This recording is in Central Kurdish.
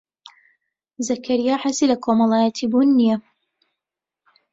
زەکەریا حەزی لە کۆمەڵایەتیبوون نییە.